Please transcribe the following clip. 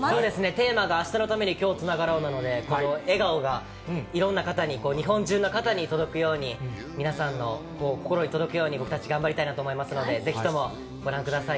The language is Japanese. テーマがあしたのためにきょうつながろうなので、笑顔がいろんな方に、日本中の方に届くように、皆さんの心に届くように僕たち、頑張りたいなと思いますので、ぜひとも、ご覧ください。